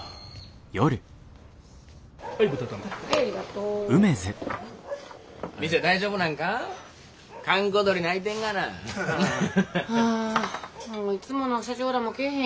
うんもういつもの社長らも来えへん